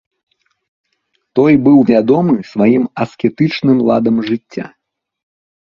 Той быў вядомы сваім аскетычным ладам жыцця.